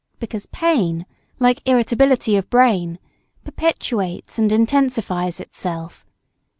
Because pain, like irritability of brain, perpetuates and intensifies itself.